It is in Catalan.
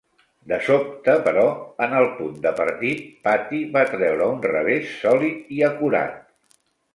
De sobte, però, en el punt de partit, Patty va treure un revés sòlid i acurat.